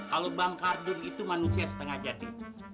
kalau bank kardun itu manusia setengah jadi